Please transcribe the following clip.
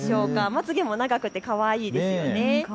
まつげも長くてかわいいですね。